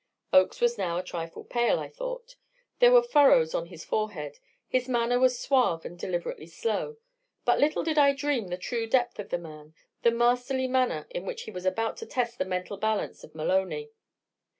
Oakes was now a trifle pale, I thought. There were furrows on his forehead; his manner was suave and deliberately slow. But little did I dream the true depth of the man, the masterly manner in which he was about to test the mental balance of Maloney.